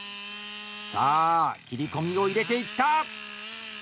さあ、切り込みを入れていった。